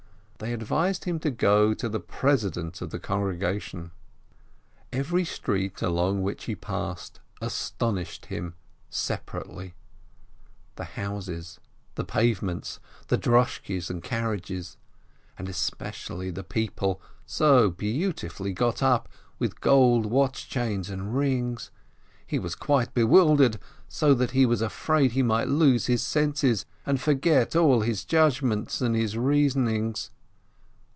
They advised him to go to the president of the Congregation. Every street along which he passed astonished him separately, the houses, the pavements, the droshkis and carriages, and especially the people, so beautifully got up with gold watch chains and rings — he was quite bewildered, so that he was afraid he might lose his senses, and forget all his arguments and his reasonings.